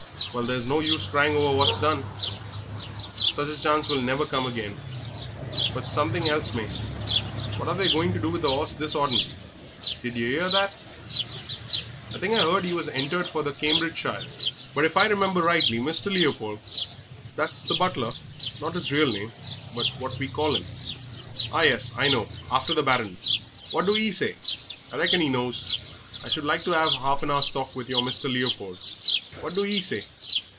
Well, there's no use crying over what's done sich a chance won't come again, but something else may. What are they going to do with the 'orse this autumn did yer 'ear that?" "I think I 'eard that he was entered for the Cambridgeshire, but if I remember rightly, Mr. Leopold that's the butler, not his real name, but what we call him " "Ah, yes; I know; after the Baron. Now what do 'e say? I reckon 'e knows. I should like to 'ave 'alf an hour's talk with your Mr. Leopold. What do 'e say?